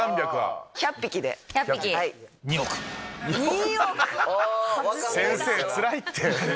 ２億⁉先生がつらいって。